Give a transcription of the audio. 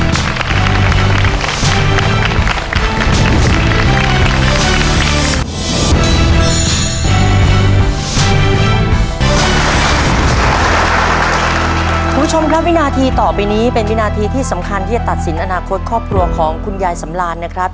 คุณผู้ชมครับวินาทีต่อไปนี้เป็นวินาทีที่สำคัญที่จะตัดสินอนาคตครอบครัวของคุณยายสำรานนะครับ